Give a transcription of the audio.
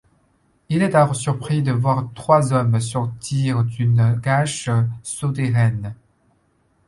Il est alors surpris de voir trois hommes sortir d'une cache souterraine.